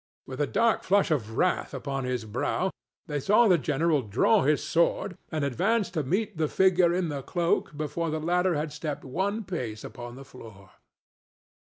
With a dark flush of wrath upon his brow, they saw the general draw his sword and advance to meet the figure in the cloak before the latter had stepped one pace upon the floor.